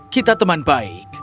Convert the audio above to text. kita teman baik